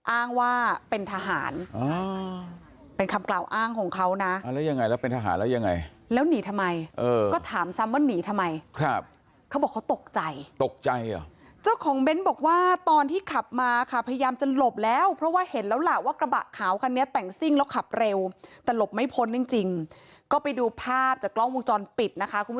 อ้างว่าเป็นทหารเป็นคำกล่าวอ้างของเขานะแล้วยังไงแล้วเป็นทหารแล้วยังไงแล้วหนีทำไมเออก็ถามซ้ำว่าหนีทำไมครับเขาบอกเขาตกใจตกใจเหรอเจ้าของเบ้นบอกว่าตอนที่ขับมาค่ะพยายามจะหลบแล้วเพราะว่าเห็นแล้วล่ะว่ากระบะขาวคันนี้แต่งซิ่งแล้วขับเร็วแต่หลบไม่พ้นจริงจริงก็ไปดูภาพจากกล้องวงจรปิดนะคะคุณ